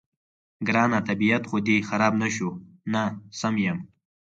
ګرانه، طبیعت خو دې خراب نه شو؟ نه، سم یم.